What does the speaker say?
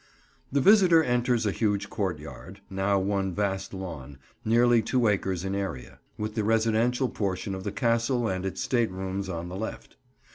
The visitor enters a huge courtyard, now one vast lawn, nearly two acres in area; with the residential portion of the Castle and its state rooms on the left.